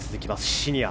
シニア。